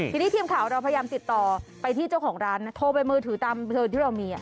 ทีนี้ทีมข่าวเราพยายามติดต่อไปที่เจ้าของร้านนะโทรไปมือถือตามเธอที่เรามี